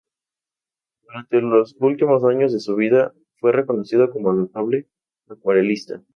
Durante los últimos años de su vida, fue reconocido como notable acuarelista.